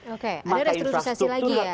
oke ada restrukturisasi lagi ya